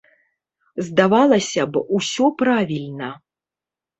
Здавалася б, усё правільна.